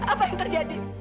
apa yang terjadi